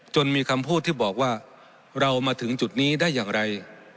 มีคำพูดที่บอกว่าเรามาถึงจุดนี้ได้อย่างไร